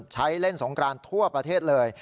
เล่นสงกรานทั่วประเทศเลย